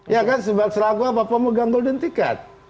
ya kan selaku apa apa mengganggu golden ticket